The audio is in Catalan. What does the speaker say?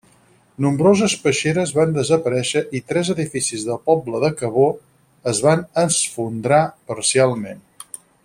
Nombroses peixeres van desaparèixer i tres edificis del poble de Cabó es van esfondrar parcialment.